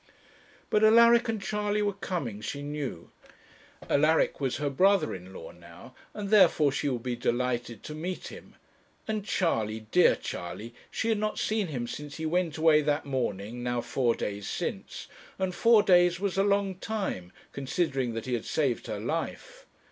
But Alaric and Charley were coming, she knew; Alaric was her brother in law now, and therefore she would be delighted to meet him; and Charley, dear Charley! she had not seen him since he went away that morning, now four days since; and four days was a long time, considering that he had saved her life.